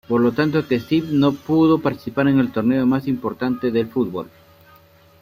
Por lo que Steve no pudo participar del torneo más importante del fútbol.